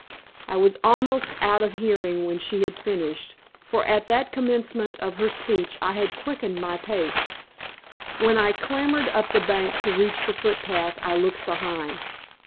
I was almost out of hearing when she had finished, for at the commencement of her speech I had quickened my pace. When I clambered up the bank to reach the footpath I looked behind.